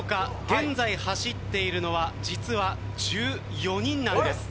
現在走っているのは実は１４人なんです。